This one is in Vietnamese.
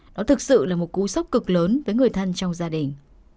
nó thực sự là một cú sốc cực lớn với người thân trong gia đình